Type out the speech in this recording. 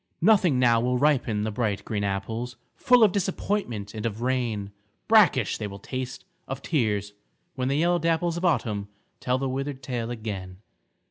Nothing now will ripen the bright green apples, Full of disappointment and of rain, Brackish they will taste, of tears, when the yellow dapples Of Autumn tell the withered tale again.